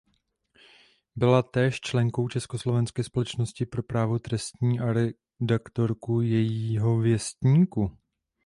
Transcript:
Byla též členkou Československé společnosti pro právo trestní a redaktorkou jejího věstníku.